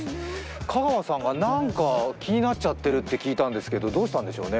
香川さんが何か気になっちゃってると聞いたんですが、どうしちゃったんでしょうね。